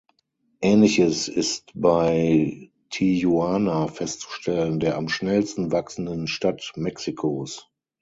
Ähnliches ist bei Tijuana festzustellen, der am schnellsten wachsenden Stadt Mexikos.